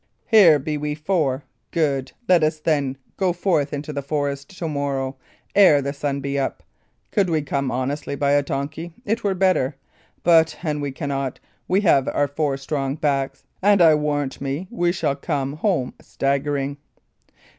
Here be we four; good! Let us, then, go forth into the forest to morrow ere the sun be up. Could we come honestly by a donkey, it were better; but an we cannot, we have our four strong backs, and I warrant me we shall come home staggering."